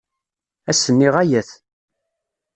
Ass-nni ɣaya-t.